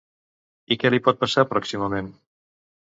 I què li pot passar pròximament?